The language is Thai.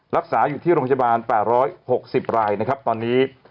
รักษาอยู่ที่โรงพยาบาลแปดร้อยหกสิบไร่นะครับตอนนี้